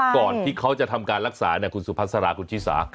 ก่อนที่เขาจะทำการรักษาคุณสุพัสราคุณชิสา